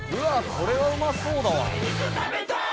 これはうまそうだわ。